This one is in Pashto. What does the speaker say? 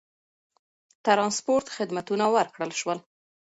ترانسپورت خدمتونه ورکړل شول.